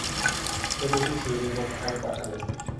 সে দুটি ছেলেকে কোথায় পাঠালে?